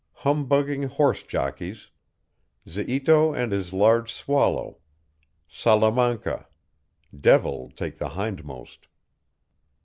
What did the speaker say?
HUMBUGGING HORSE JOCKEYS. ZIITO AND HIS LARGE SWALLOW. SALAMANCA. DEVIL TAKE THE HINDMOST.